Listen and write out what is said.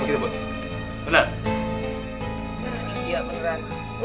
dan kita harus berhenti mencari kemampuan